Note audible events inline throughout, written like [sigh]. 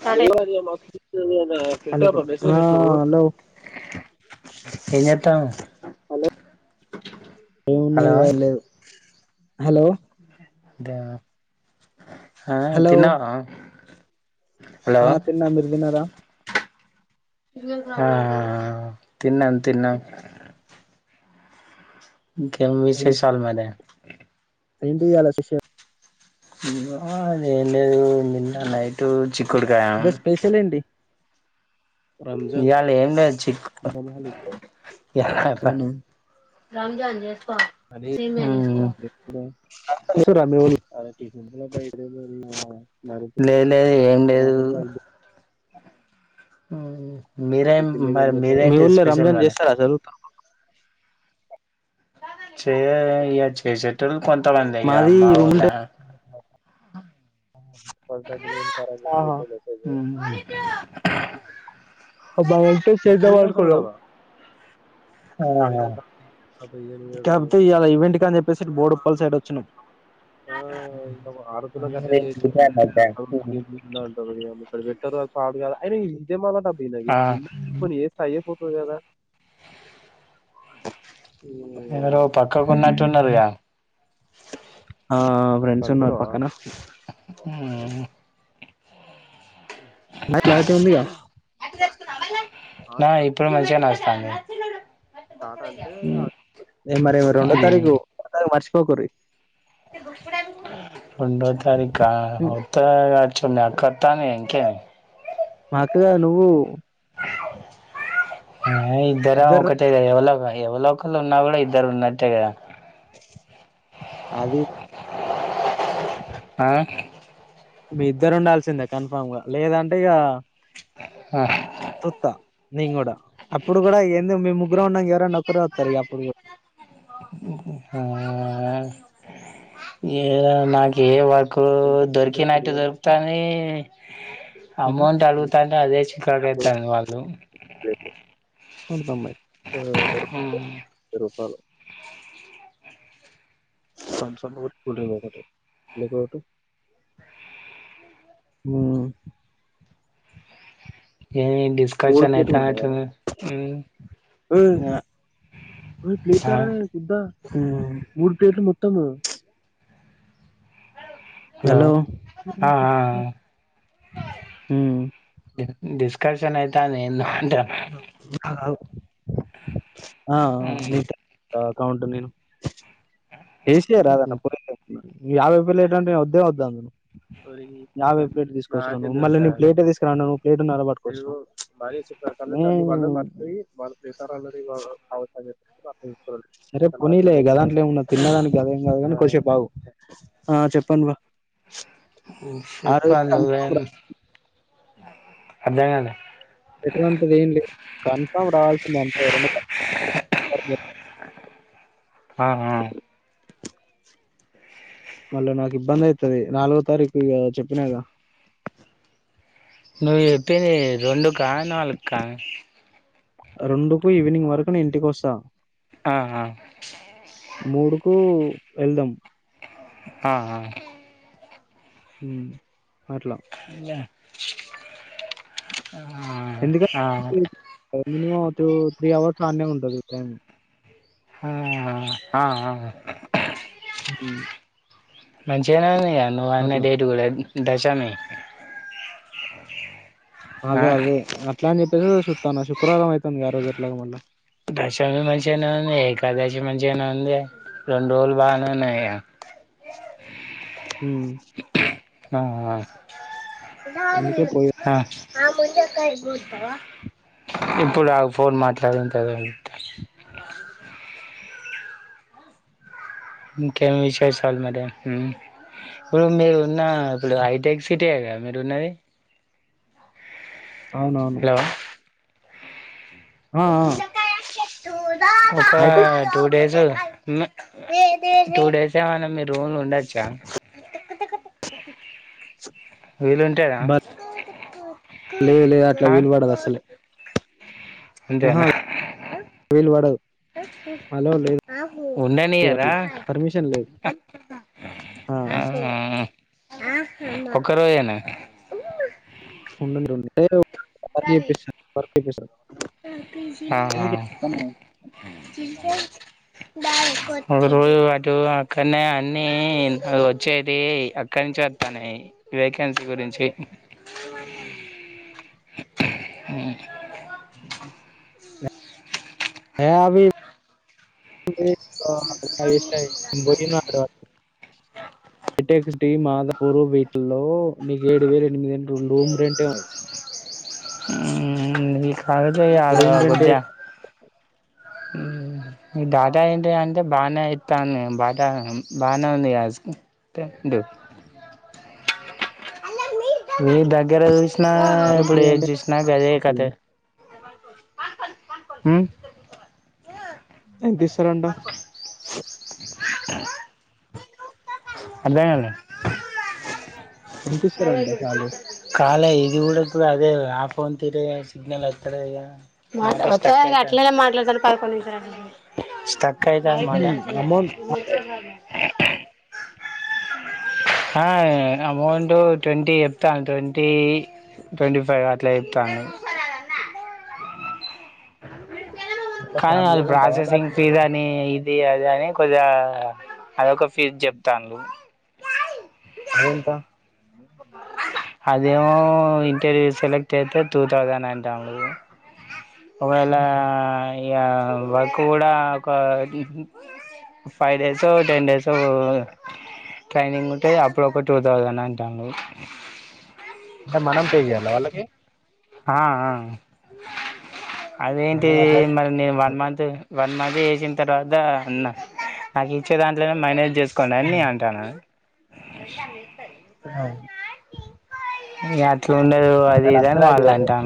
Start అయి hello ఏంజేత్తావె వున్నాగలేవ్ హలో అదా ఆహ్ తినవా ఆహ్ తిన్నా మీరు తీన‌్నరా. ఆహ్ తిన్నాన్ తిన్నాం ఇంకేం ఏం విశేషాలు మరి. ఏంటి ఇయాళ స్పెషల్. నిన్న ఏం లేదు నిన్న నైట్ చిక్ ఈరోజు స్పెషల్ ఏంటి. ఇయాళ ఏమి లేదు చిక్కు ఎలా చెప్పాలి. అవునా రంజాన్ చేస్కోవా సేమ్యా చేస్కో హ్మ్ అంత లేదుర మీవోళ్ళీ లేద్ లేద్ ఏం లేదు ఆ ఏ మీ ఊళ్ళో రంజాన్ మరి చేస్తారా అసలు. చేయలే ఇగ చేసేటోళ్ కొంతమందే ఇగ మాది అమ్మ వోళ్ళే. ఉమ్ ఆహ్ అబ్బా ఎంటెక్ చేద్దామానుకున్నాను. ఆహా కాకపోతే ఇయాల ఈవెంట్ కన్ జెప్పేసి బోడుప్పల్ సైడ్ వచ్చినం. ఆహ్ ఆరు తులంకి అట్లా అవునులే చేసి చూశాను ఆ ఇప్పు అట్టా బ్యాంకు ఉంటారో ఏం నీళ్ళో అంటారో ఏమో. ఇక్కడ పెట్టారు అ పాడు కదా అయిన ఇది ఏం అల్లాటబ్బి ఇందక ఆ ఉన్నాయ్ చెప్పుకొని ఏస్తే అయ్యేపోతది కదా. ఇంక ఎవరో పక్కకు నేన్ ఏం అన్ను ఉన్నట్టున్నారుగా ఆహ్ ఫ్రెండ్స్ ఉన్నారు పక్కన. ఉమ్మ్ క్లా క్లారిటీ ఉందిగ. నా ఇప్పుడు మంచిగానే వస్తాంది. నేన్ మరి రెండో ఉమ్. తారీఖు పొ కాని మర్చిపోకుర్రి. రెండో తారీఖా అవుతే ఒచ్చుడె అక్కొత్తాని. కేన్ మాకుగ నువ్వు. ఆయ్ ఇద్దరం ఇద్దరు ఒకటే లే ఎవలో కాయ్. ఎవలో ఒకళ్ళు ఉన్నా కూడా ఇద్దరు ఉన్నట్టేగా. అది ఆహ్ మీ ఇద్దరు ఉండాల్సిందే కన్ఫామ్ గా లేదంటే ఇక ఆ సుత్తా. నేను కూడా అప్పుడు కూడా ఎందుకు మీ ముగ్గురం ఉన్నాక ఎవరన్నా ఒకరే వస్తారు ఇగ అప్పుడు కూడా. ఆ ఏదో నాకు ఏం అర్ కో దొరికినట్టు దొరుకుతన్నయి. అమౌంట్ అడుగుతాంటే అదే చికాకు అయితాండ్రు వాళ్ళు. తం అమ్మాయి పెరుగు పాలు. తంసప్ ఒకటి కూల్ డ్రింక్ ఒకటి నీకు ఒకటి. ఉమ్మ్ ఏ డిస్కషన్ ఐతున్నట్టు ఉన్నది. ఆ ప్లేార కుద్ద్ద [unintelligible] మూడు ప్లేట్లు మొత్తము. ఇపుడా ఆ ఆ ఉమ్. డిస్కర్షన్ అయితాంది. అంటానా ఆగు ఆగు ఆ ఆ అక్కౌంట్ నేను ఏసియ రా అన్న నా పోయి యాభై రూపాయలు ప్లేట్ అంటే నేను వద్దే వద్దు అందును. యాభై ప్లేట్ తీసుకొచ్చనావు మళ్ళీ నేను ప్లేటే ఏ తీసుకరాను అన్నావు. నువ్వు ప్లేట్టున్నర పట్టుకొచ్చినవ్. హ్మ్మ్ సరే పోనీ గదాంట్లో ఏమున్నాది తిన్నదానికి గదెంము కాదు కాని కొసేపూ అగు ఆ చెప్పు అన్న. చెప్పాలే నువ్వే అర్ధం కాలే. ఎటువంటిది ఏం లేదు కన్ఫామ్ రావాల్సింది అంతే. అ ఆహా మళ్ళ నాకు ఇబ్బంది అవుతది నాలుగో తారీఖు చేపినగా. నువ్వు చెప్పింది రెండు కా నాలుగు కా, రెండుకు ఈవినింగ్ వరకు నేను ఇంటికి వస్తా. ఆ ఆ మూడుకు వెళ్దాం. ఆ ఆ హ [inaudible] ఎందుక ఆ ఆ మినిమమ్ టు త్రీ హావర్స్ ఆడానే ఉంటంది ట్రేన్ ఆ ఆ అ ఉం మంచిగానే ఉంది కదా నువ్వు అన్న డేట్ కూడా, దశమి అదే ఆ అదే అట్లా అని చెప్పేసి చూస్తన్న శుక్రవారం అవుతది ఆ రోజు ఎట్లాగా మళ్ళ దశమి మంచిగానే ఉంది ఏకాదశి మంచిగానే ఉంది. రెండు రోజులు బాగానే ఉన్నది కదా. స్ మ్మ్ ఆ ఆ అందుకే పోయేది. ఆ ముంజకాయ కోస్తావా. ఇప్పుడు ఆగు ఫోన్ మాట్లాడిన తర్వాత ఇంకేం విశేషాలు మరి ఇప్పుడు మీరు ఉన్న ఇప్పుడు హైటెక్ సిట్టే కదా మీరు ఉన్నది. అవునవును హలో ఆ! ఆ! ఒక hitech two days. Two days ఏమన్నా మీరు రూమ్ లో ఉండొచ్చా. వీలు ఉంటదా. బ లేదు లేదు అట్లా విలుపడదు అసలే ఆహా విలుపడదు ఉండనీయరా అట్లా. పర్మిషన్ లేదు. ఆ ఒక్క రోజేనా ఉండనీరు కాళీ చేపిస్తారు ఆా ఒక రోజు ఇటు అక్కడనే అన్ని వచ్చేది అక్కడ నుంచి వస్తాను క్యాన్సల్ గుంచి అ అ హ అభ ష్టయిక్స్ పూర్వ బీట్ లో నీకు ఏడు వేల ఎనిమిదింట రూమ్ రెంటే ఉంది మీ కాదు అద రూమ్ రెంట్ గద్ద ఏడు మీ దాదా అంట అంట అే బాగా ఇయితాను బాట బానేజ ఈ దగ్గర చూసినా ఇప్పుడు ఎంట్రీ ఏది అంటే చూసినా గదే కథ అ దసరంట అదేన్నా ఎంతిస్తరంట సాలరీ? కాాల ఇది కూడా అదే ఆ ఫోన్ తిర సిగ్నల్ అతార ఇట్ తక్ైత అ మళ హ్మ్. అమౌంట్ అంటే హా అమ అడు ట్వంటీ చెప్తాను ట్వంటీ ట్వంటీ ఫైవ్ అట్లా చెప్తాను ఇట్లా కానీ అది ఫ్యామిలీగా ఉంటావా? Processing bachelor? ఫీస్ అని ఇది అ అ అని కొద్దిగా అదొక ఫీజ్ చెప్తా ఉ అదేమో ఇంటర్వ్యూ సెలెక్ట్ అయితే టూ థౌజండ్ అంట మళ్ళా హుహు. వర్క్ కూడా ఒక five days ten days training ఉంటే అప్పుడు ఒక టూ థౌజండ్ అంటాను అంటే మనం పే చేయాల వాళ్ళకి ఆ అదేంటి నేను అట్లా మరి నేను వన్ మంత్ వన్ మంది వసిన తర్వాత అన్నా నాకు ఇచ్చేదాన్ని ఇల మేనేజ్ చేసుకోం అని నే హ్మ్. అంటాను అ అట్లా ఉండదు అది ఇదా అని వాళ్ళు అంటం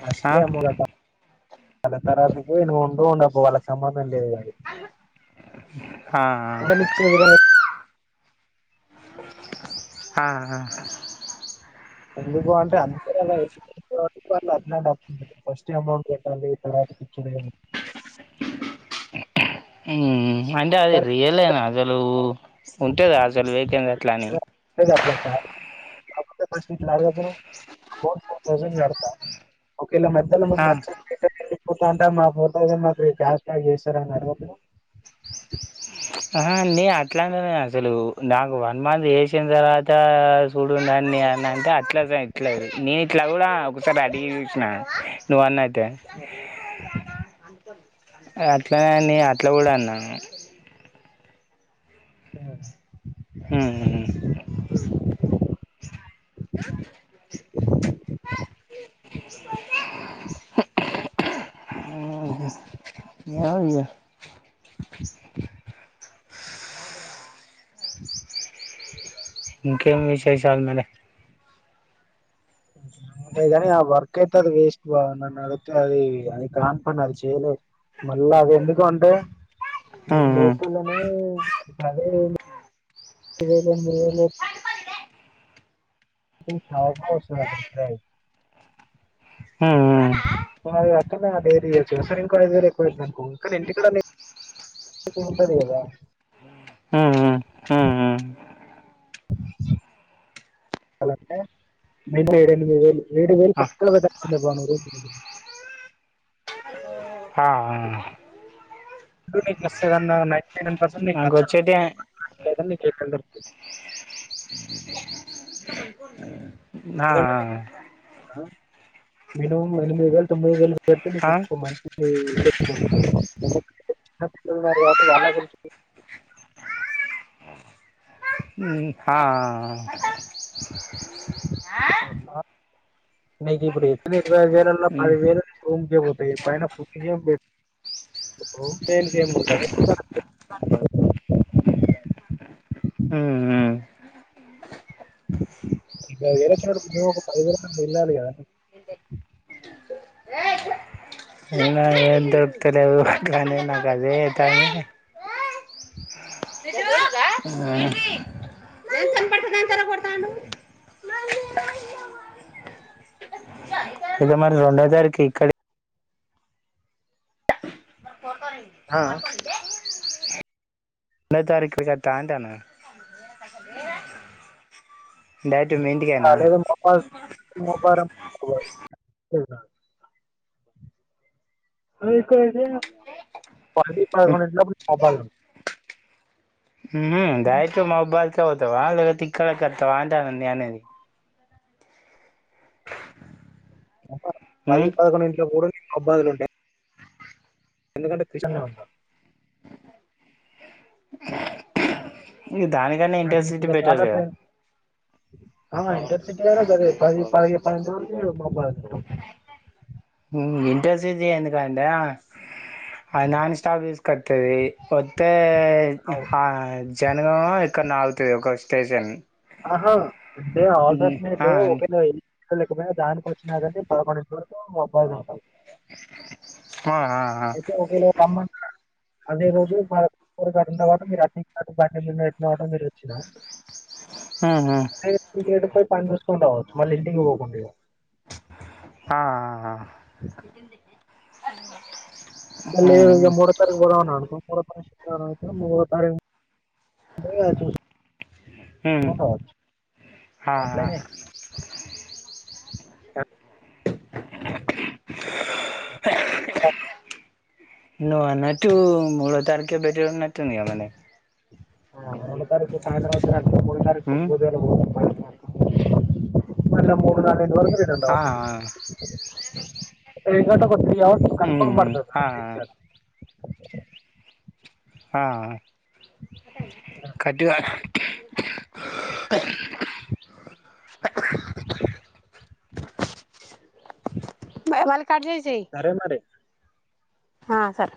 ఫస్ే అమ్మ చాల తరతికివవుంూ ఉండపో వాళ్ళ సంబంధం లేదు అది. ఉండనిచ్చే విధంగా ఆా ఆ ఎందుకు అంటే అందరు అలా వాళ్ళు అట్ డబ్బు ఫస్ట్ అమౌంట్ పెట్టాలి ఇక్కడ చ్చడ అంటే అది సరే రియల్నా అసలు ఉంటేదా అసలు వకంద అట్లా అని స్ అబౌట్ ఫోర్ థౌసండ్డత మైదలో మ ఆ మ అంట మా ఫోటోగా మాకు క్యాష్ బ్యాక్ చేస్తారన్నారు ఆహా నీ అట్లాంటలే అసలు నాకు వన్ మంత్ వసిన తర్వాత సూడు అన్నంకా అట్లా పెట్లేదు నేను ఇట్లా కూడా ఒకసారి అడిగి చూసినాను నువ్వు అన్న అట్లనే నీ అట్లా కూడా అన్నా ఆ హు హామ్ [inaudible] నస్తే [unintelligible] హే [inaudible] ఆహా యా హ [inaudible] ఇంకేం విశేషాలు మరి అంతేగాని ఆ వర్క్ అయితే అది వేస్ట్ బావ నన్న అడిగితే అది అది కానీపని అది చేయలేదు మళ్ళా అది ఎందుకు అంటే నీకు ఉమ్ ఉమ్ లోకువని అదేం లేదు పదివేలు ఎనిమిది వేలు చూశాక వస్తదంట కిరాయి ఉమ్ డేర్ చేయొచ్చు కదా సరే ఇంకో ఐదు వేయిలు ఎక్కువైందనుకో కానీ ఇంటికెళ్ల ఉంటది కదా ఉమ్ ఉమ్ ఉమ్ ఉమ్ మినిమం ఏడ ఎనిమిది వేలు ఏడికి పోవు ఆ పక్క చిన్న బానురు హా ఆ ఇప్పుడు నీకు నచ్చితే అన్న నైన్టినైన్ పర్సంట్ నీకు నాకు నచ్చదు వచ్చేటి దొరుకుతుంది ఆ ఆ ఎందుకంటే నీకు మినిమం ఎనిమిది వేలు తొమ్మిది వేలు పడితే ఆ నీకు మంత్లీ చిన్నపిల్లలు ఉన్నారు కాబట్టి వాళ్ల గురించి హుమ్ ఆ ఆ ఆ నీకు ఇప్పుడు చెప్పనే చెప్పు ఇరవై ఐదు వేలల్ల పది వేలు నీ రూమ్ కే పోతాయి పైన ఫుడ్డు ఏమ్ పెడతావ్ ఏముంటది హు హామ్ ఇంకా వేరే చోటుకి పో ఒక పదివేల అన్నా దొరకాలి కదా ఏం దొరుకుతలేవు రంది నాకు అదే అయితాంది హా సరిగ్గా ఆ ఇగా మరి రెండో తారీకి ఇక్కడి ఆ ఆ ఎన్నో తారీకు కడతా అంటానా డైరెక్ట్ మీ ఇంటికేనా ఖాళీగా మౌబాద్ ముప్పారం పోయిన ఇక్కడ ఎటు పోయిన పది పదకొండు ఇంటిలోపు మౌబాద్ల ఉన్న హుహు డైరెక్ట్ మైబాద్కి పోతావా లేకపోతే ఇక్కడికి వస్తావా అంటానా నేను అనేది పది ఉమ్ పదకొండింటి ఇంటిలోపు కూడా నేను మౌబాద్లా ఉంటే ఎందుకంటే కృషనా ఆప్త ఇగ దానికన్నా ఇంటర్సిటీ బెటర్ కదా ఆ ఇంటర్సిటీ కూడా గదే పది పది పదకొండు మౌబాద్ ఇంటర్సిటీ ఎందుకంటే అది నాన్ స్టాప్ తీసుకొత్తది ఒత్తే ఆ జనగంమో ఎక్కడనో ఆగుతది ఒక స్టేషన్ ఆహా అంటే ఆ ఆల్టర్నేటివ్ ఒక ఉన్నా లేకపోయినా దానికి వచ్చినా కానీ పదకొండు ఇంటి వరకు మౌబాద్ల ఉంటాం ఆ ఆ అయితే ఒకవేళ రమ్మంటే అదే రోజు తవా మీరు రాత్ర ఆ ఎ వచ్చిన పని చూకుంటావచ్చు మళ్ళ ఇంటికి పోకుండా అ అ మూ తారీ అ మూ తారీఖు శుకవారం అవు మూ తారీఖ ఉమ్ పో ఆ అలనే [unintelligible] [inaudible] నువ్వన్నట్టూ మూడో తారఖే పెటగున్నట్టుంది గదండి రొండు తారీకు మూడో పొద్దు ఉమ్ పొద్దు గాల మన్న మూడున్నర్ర రెండు ఆ వరకు ఆ [inaudible] వత్ కన్ఫర్మ్ ఉమ్ పడతది ఆ నాకి తెలిసి ఆ ఆ కట్ గాలే [unintelligible] బై వాల్ని కడ్ చేసేయి సరే మరి. ఆ సరే